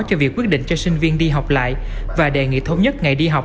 cho việc quyết định cho sinh viên đi học lại và đề nghị thống nhất ngày đi học